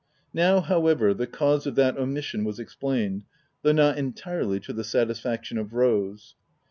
Now however, the cause of that omission was ex plained, though not entirely to the satisfaction of Rose.